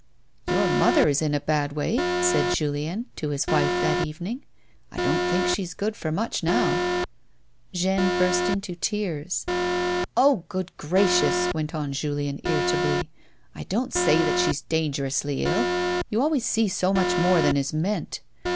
"Your mother is in a bad way," said Julien to his wife, that evening. "I don't think she's good for much now." A WOMAN'S LIFE. 149 Jeanne burst into tears. "Oh, good gracious!" went on Julien irritably. "I don't say that she is dangerously ill, You always see so much more than is meant.